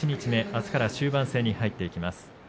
あすから終盤戦に入っていきます。